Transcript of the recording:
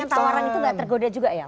tapi tawaran itu gak tergoda juga ya